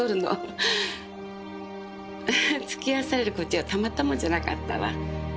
付き合わされるこっちはたまったもんじゃなかったわ。